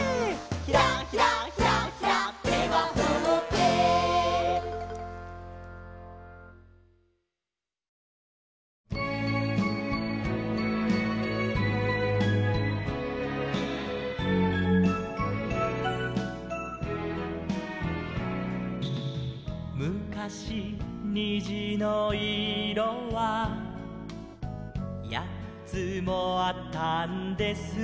「ひらひらひらひら」「手はほっぺ」「むかしにじのいろは８つもあったんです」